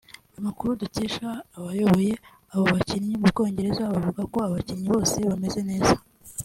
Amakuru dukesha abayoboye abo bakinnyi mu Bwongereza avuga ko abakinnyi bose bameze neza